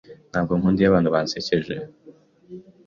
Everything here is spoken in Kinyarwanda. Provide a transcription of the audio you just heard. Ntabwo nkunda iyo abantu bansekeje.